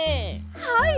はい。